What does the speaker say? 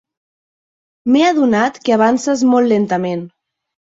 M'he adonat que avances molt lentament.